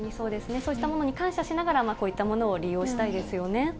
そうしたものに感謝しながら、こういったものを利用したいですよね。